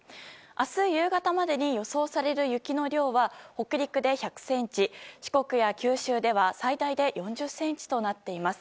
明日夕方までに予想される雪の量は、北陸で１００ｃｍ四国や九州では最大で４０ｃｍとなっています。